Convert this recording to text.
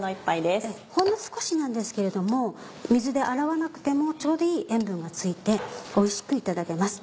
ほんの少しなんですけれども水で洗わなくてもちょうどいい塩分が付いておいしくいただけます。